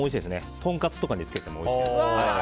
とんかつとかにつけてもおいしいです。